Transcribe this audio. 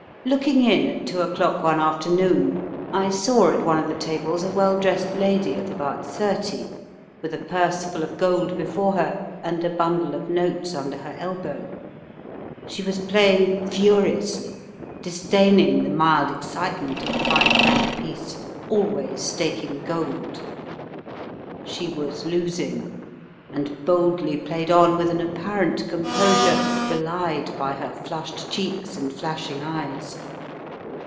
Looking in at two o'clock one afternoon I saw at one of the tables a well dressed lady of about thirty, with a purseful of gold before her and a bundle of notes under her elbow. She was playing furiously, disdaining the mild excitement of the five franc piece, always staking gold. She was losing, and boldly played on with an apparent composure belied by her flushed cheeks and flashing eyes.